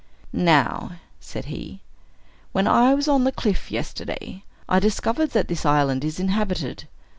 "Now," said he, "when I was on the cliff, yesterday, I discovered that this island is inhabited.